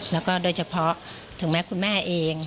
แล้วก็โดยเฉพาะถึงแม้คุณแม่เอง